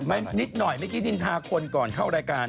นิดนึกหน่อยนิกิทิะติดทาคนก่อนเดินเข้ารายการ